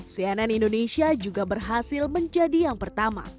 cnn indonesia juga berhasil menjadi yang pertama